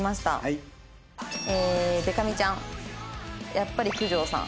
「やっぱり九条さん。